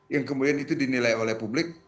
yang kemudian itu dinilai oleh publik